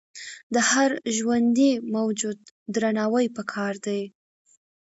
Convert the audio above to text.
د هر ژوندي موجود درناوی پکار دی.